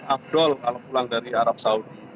afdol kalau pulang dari arab saudi